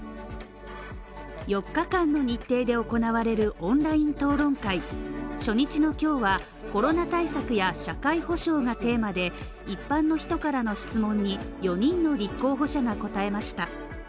４日間の日程で行われるオンライン討論会初日の今日は、コロナ対策や社会保障がテーマで、一般の人からの質問に、４人の立候補者が答えました。